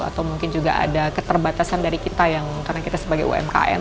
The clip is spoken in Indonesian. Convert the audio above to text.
atau mungkin juga ada keterbatasan dari kita yang karena kita sebagai umkm